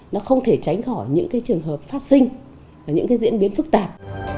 nó không thể tránh khỏi những trường hợp phát sinh những diễn biến phức tạp